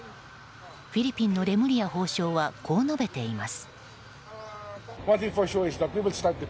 フィリピンのレムリヤ法相はこう述べています。